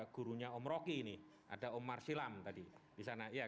gurunya om roki ini ada omar silam tadi di sana